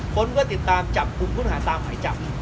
ค้นเพื่อติดตามจับบุคคลุ้นหาดตามหมายจับ